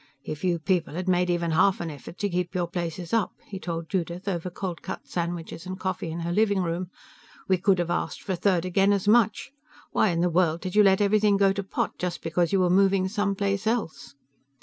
"If you people had made even half an effort to keep your places up," he told Judith over cold cut sandwiches and coffee in her living room, "we could have asked for a third again as much. Why in the world did you let everything go to pot just because you were moving some place else?"